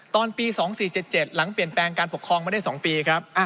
ตอนปี๒๔๗๗หลังเปลี่ยนแปลงการปกครองมาได้๒ปีครับ